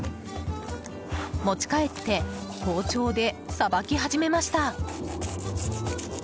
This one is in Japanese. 持ち帰って包丁でさばき始めました。